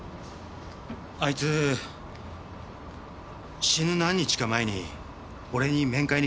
あいつ死ぬ何日か前に俺に面会に来たんです。